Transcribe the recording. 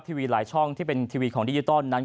ทีวีหลายช่องที่เป็นทีวีของดิจิตอลนั้น